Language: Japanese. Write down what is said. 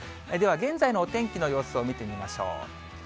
では現在のお天気の様子を見てみましょう。